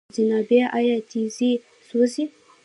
جنابه! آيا تيږي سوزي؟